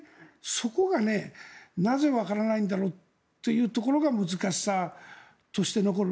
そこが、なぜわからないんだろうというところが難しさとして残る。